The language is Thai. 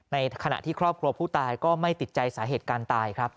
ในขณะที่ครอบครัวผู้ตายก็ไม่ติดใจสาเหตุการณ์ตายครับ